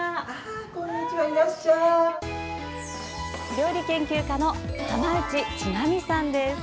料理研究家の浜内千波さんです。